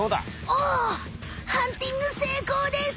おハンティングせいこうです